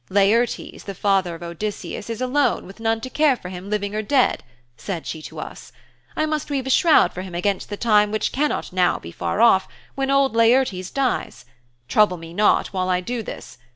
"Laertes, the father of Odysseus, is alone with none to care for him living or dead," said she to us. "I must weave a shroud for him against the time which cannot now be far off when old Laertes dies. Trouble me not while I do this.